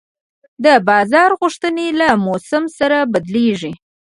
د بازار غوښتنې له موسم سره بدلېږي.